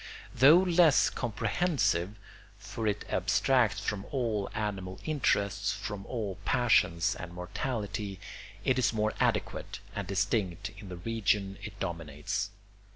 Though less comprehensive (for it abstracts from all animal interests, from all passion and mortality), it is more adequate and distinct in the region it dominates.